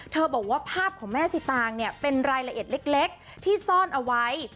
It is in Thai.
เพื่อบอกว่าภาพของแม่สิตางเป็นรายละเอ็ดเล็กที่ซ่อนเอาไว้